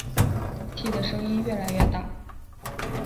气的声音越来越大